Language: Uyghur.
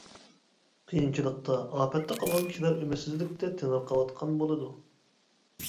قىيىنچىلىقتا، ئاپەتتە قالغان كىشىلەر ئۈمىدسىزلىكتە تېڭىرقاۋاتقان بولىدۇ.